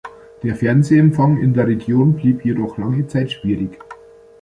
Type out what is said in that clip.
Der Fernsehempfang in der Region blieb jedoch lange Zeit schwierig.